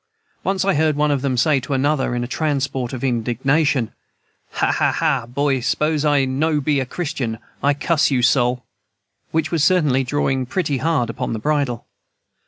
Once I heard one of them say to another, in a transport of indignation, "Ha a a, boy, s'pose I no be a Christian, I cuss you sol" which was certainly drawing pretty hard upon the bridle.